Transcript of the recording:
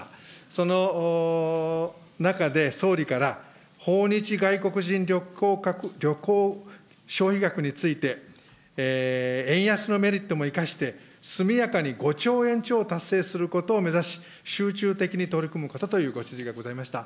その中で、総理から訪日外国人旅行消費額について、円安のメリットも生かして、速やかに５兆円超を達成することを目指し、集中的に取り組むことというご指示がございました。